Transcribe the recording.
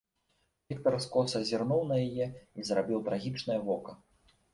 Віктар скоса зірнуў на яе і зрабіў трагічнае вока.